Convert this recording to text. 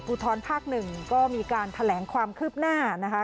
ขุมพิวจนภาคหนึ่งตรงเดียวก็มีการแถลงความคืบหน้านะคะ